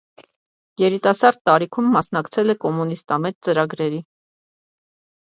Երիտասարդ տարիքում մասնակցել է կոմունիստամետ ծրագրերի։